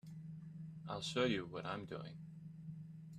I'll show you what I'm doing.